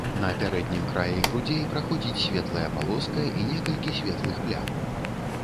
На пярэднім краі грудзей праходзіць светлая палоска і некалькі светлых плям.